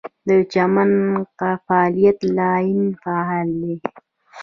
د چمن فالټ لاین فعال دی